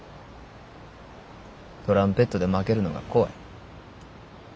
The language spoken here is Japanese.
トランペットで負けるのが怖い。